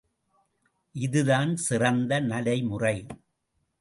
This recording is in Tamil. இதுதான் சிறந்த நடைமுறை.